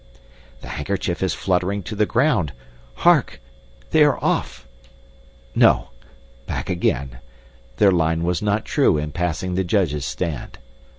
The handkerchief is fluttering to the ground! Hark! They are off! No. Back again. Their line was not true in passing the judges' stand.